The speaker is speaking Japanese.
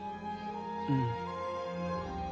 うん。